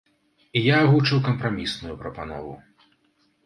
І я агучыў кампрамісную прапанову.